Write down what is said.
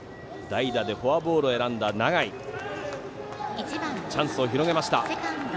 代打でフォアボールを選んだ永井がチャンスを広げました。